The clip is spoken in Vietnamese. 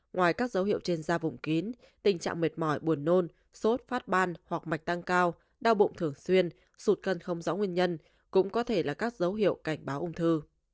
ngoài các dấu hiệu trên da vùng kín tình trạng mệt mỏi buồn nôn sốt phát ban hoặc mạch tăng cao đau bụng thường xuyên sụt cân không rõ nguyên nhân cũng có thể là các dấu hiệu cảnh báo ung thư